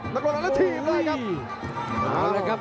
นักรวจร้อนละทีมเลยครับ